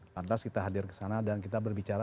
lantas kita hadir ke sana dan kita berbicara